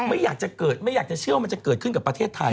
ไม่อยากจะเชื่อว่ามันจะเกิดขึ้นกับประเทศไทย